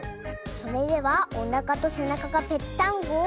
それでは「おなかとせなかがぺっタンゴ」を。